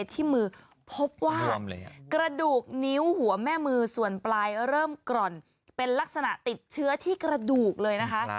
ที่มือพบว่ากระดูกนิ้วหัวแม่มือส่วนปลายเริ่มกร่อนเป็นลักษณะติดเชื้อที่กระดูกเลยนะคะ